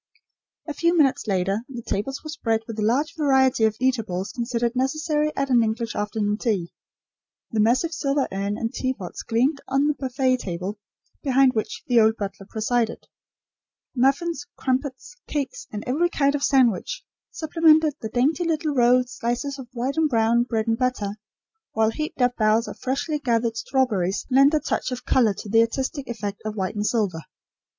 A few minutes later the tables were spread with the large variety of eatables considered necessary at an English afternoon tea; the massive silver urn and teapots gleamed on the buffet table, behind which the old butler presided; muffins, crumpets, cakes, and every kind of sandwich supplemented the dainty little rolled slices of white and brown bread and butter, while heaped up bowls of freshly gathered strawberries lent a touch of colour to the artistic effect of white and silver.